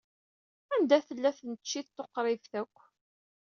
Anda tella tneččit tuqribt akk?